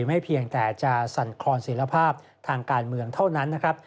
ไม่เพียงแต่จะสั่นคลอนศิลภาพทางการเมืองเท่านั้นนะครับ